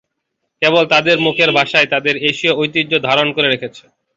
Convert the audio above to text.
কেবল তাদের মুখের ভাষাই তাদের এশীয় ঐতিহ্য ধারণ করে রেখেছে।